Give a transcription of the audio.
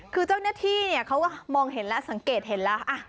คือเจ้าหน้าที่เขาก็มองเห็นแล้วสังเกตเห็นแล้ว